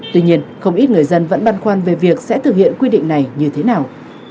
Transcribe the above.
tuy nhiên không ít người dân vẫn băn khoăn về việc sẽ thực hiện quy định này như thế nào